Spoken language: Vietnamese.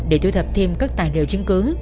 để thu thập thêm các tài liệu chứng cứ